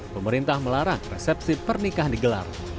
pemerintah melarang resepsi pernikahan digelar